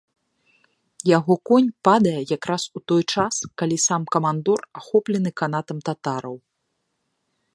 Яго конь падае якраз у той час, калі сам камандор ахоплены канатам татараў.